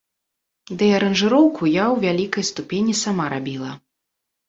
Дый аранжыроўку я ў вялікай ступені сама рабіла.